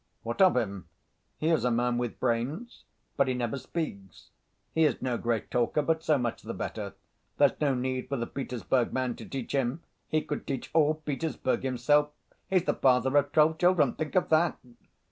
"What of him?" "He is a man with brains." "But he never speaks." "He is no great talker, but so much the better. There's no need for the Petersburg man to teach him: he could teach all Petersburg himself. He's the father of twelve children. Think of that!"